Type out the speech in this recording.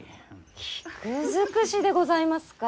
菊尽くしでございますか？